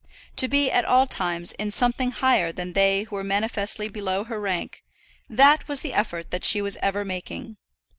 To be at all times in something higher than they who were manifestly below her in rank, that was the effort that she was ever making.